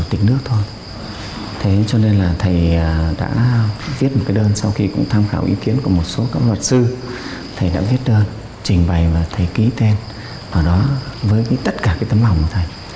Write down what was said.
tư thầy đã viết đơn trình bày và thầy ký tên ở đó với tất cả tấm lòng của thầy